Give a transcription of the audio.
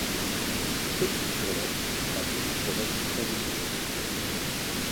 Toxique pour l'Homme, sa prise provoque des convulsions.